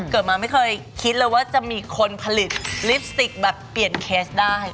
เกิดมาไม่เคยคิดเลยว่าจะมีคนผลิตลิปสติกแบบเปลี่ยนเคสได้